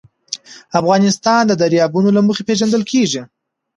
افغانستان د دریابونه له مخې پېژندل کېږي.